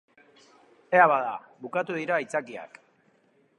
Ea bada, bukatu dira aitzakiak.